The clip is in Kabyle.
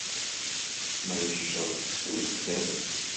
Ma yecceḍ suref-t-as!